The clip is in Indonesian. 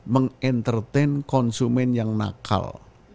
meng entertain konsumen yang nakal